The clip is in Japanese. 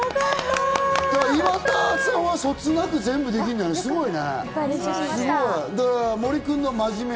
岩田さんはそつなく全部できるんだね、すごいね。